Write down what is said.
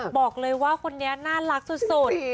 บอกเลยว่าคนนี้น่ารักสุด